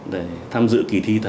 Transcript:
để tham dự kỳ thi thật là an toàn